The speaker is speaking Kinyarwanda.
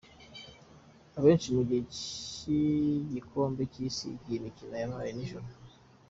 Abenshi mu gihe cy’igikombe cy’isi igihe imikino yabaye nijoro.